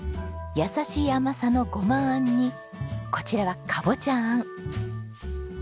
優しい甘さのごまあんにこちらはかぼちゃあん。